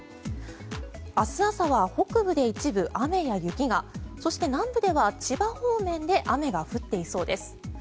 明日朝は北部で一部雨や雪がそして南部では千葉方面で雨が降っていそうです。